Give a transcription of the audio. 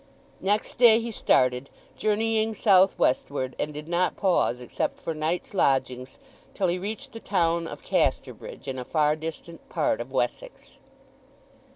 Next day he started, journeying south westward, and did not pause, except for nights' lodgings, till he reached the town of Casterbridge, in a far distant part of Wessex.